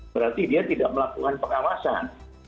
berarti dia tidak melakukan pengawasan